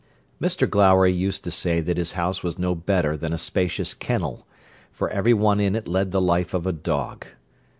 Mr Glowry used to say that his house was no better than a spacious kennel, for every one in it led the life of a dog.